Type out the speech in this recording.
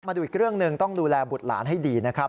มาดูอีกเรื่องหนึ่งต้องดูแลบุตรหลานให้ดีนะครับ